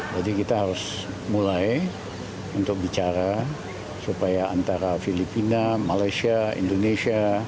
jadi kita harus mulai untuk bicara supaya antara filipina malaysia indonesia